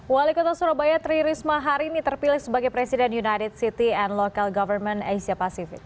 wali kota surabaya tri risma hari ini terpilih sebagai presiden united city and local government asia pacific